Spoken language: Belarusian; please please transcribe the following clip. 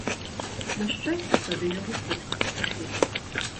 На шчасце, тады яго хутка патушылі.